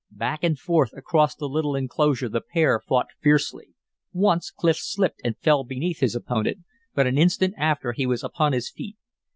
Back and forth across the little enclosure the pair fought fiercely. Once Clif slipped and fell beneath his opponent; but an instant after he was upon his feet.